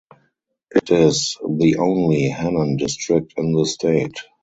It is the only Hannan District in the state.